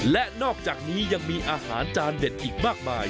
และนอกจากนี้ยังมีอาหารจานเด็ดอีกมากมาย